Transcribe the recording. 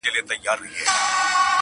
• خلک خپل ژوند ته ځي تل..